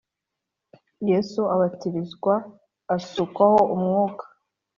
Yesu abatizwa asukwaho umwuka